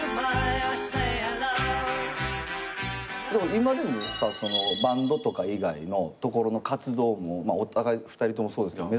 今でもさバンドとか以外のところの活動もお互い２人ともそうですけど目覚ましいわけじゃないですか。